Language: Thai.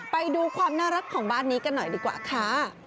ไปดูความน่ารักของบ้านนี้กันหน่อยดีกว่าค่ะ